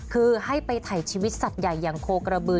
คือให้ไปถ่ายชีวิตสัตว์ใหญ่อย่างโคกระบือ